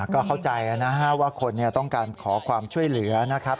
ก็เข้าใจนะฮะว่าคนต้องการขอความช่วยเหลือนะครับ